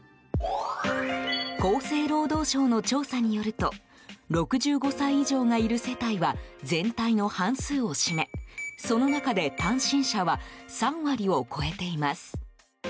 厚生労働省の調査によると６５歳以上がいる世帯は全体の半数を占めその中で、単身者は３割を超えています。